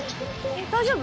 大丈夫？